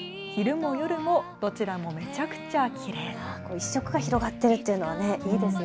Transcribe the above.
一色が広がっているというのはいいですね。